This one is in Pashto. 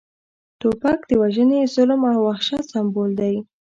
توپک د وژنې، ظلم او وحشت سمبول دی